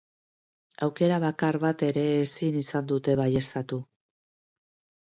Aukera bakar bat ere ezin izan dute baieztatu.